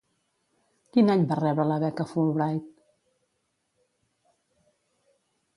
Quin any va rebre la Beca Fulbright?